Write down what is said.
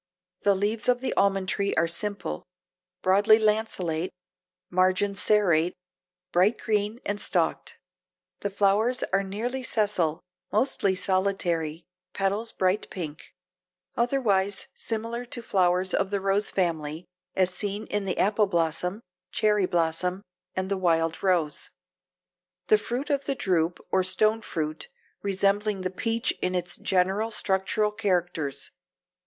The leaves of the almond tree are simple, broadly lanceolate, margins serrate, bright green and stalked. The flowers are nearly sessile, mostly solitary, petals bright pink; otherwise similar to the flowers of the rose family as seen in the apple blossom, cherry blossom and the wild rose. The fruit is a drupe or stone fruit, resembling the peach in its general structural characters.